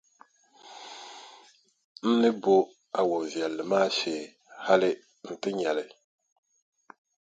N ni bo a wɔʼ viɛlli maa shee hali nti nya li.